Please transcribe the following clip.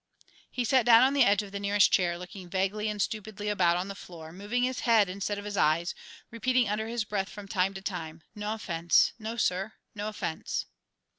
He sat down on the edge of the nearest chair, looking vaguely and stupidly about on the floor, moving his head instead of his eyes, repeating under his breath from time to time, "No offence no, sir no offence!"